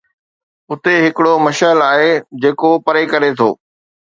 اتي ھڪڙو مشعل آھي جيڪو پري ڪري ٿو